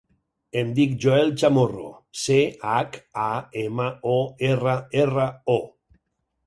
Em dic Joel Chamorro: ce, hac, a, ema, o, erra, erra, o.